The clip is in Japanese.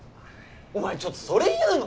お前ちょっとそれ言うの！？